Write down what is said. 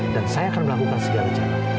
dan saya akan melakukan segala jalan